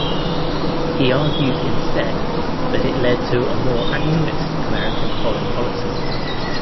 He argues instead that it led to a more activist American foreign policy.